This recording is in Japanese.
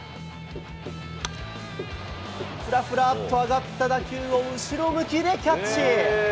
ふらふらっと上がった打球を後ろ向きでキャッチ。